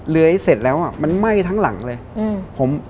เลื้อยเสร็จแล้วอ่ะมันไหม้ทั้งหลังเลย